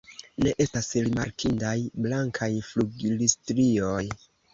Ne estas rimarkindaj blankaj flugilstrioj.